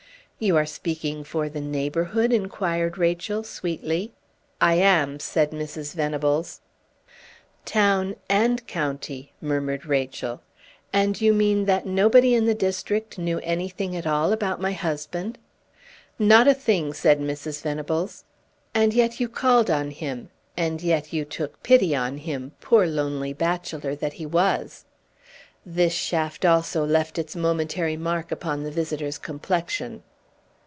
"You are speaking for the neighborhood?" inquired Rachel, sweetly. "I am," said Mrs. Venables. "Town and county," murmured Rachel. "And you mean that nobody in the district knew anything at all about my husband?" "Not a thing," said Mrs. Venables. "And yet you called on him; and yet you took pity on him, poor lonely bachelor that he was!" This shaft also left its momentary mark upon the visitor's complexion.